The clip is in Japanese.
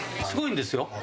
すごいんですよ。